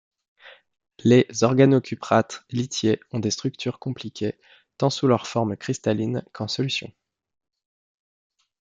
Les organocuprates lithiés ont des structures compliquées, tant sous leur forme cristalline qu'en solution.